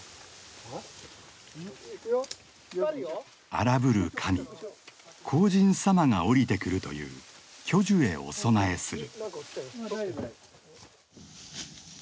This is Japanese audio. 荒ぶる神荒神様が降りてくるという巨樹へお供えする。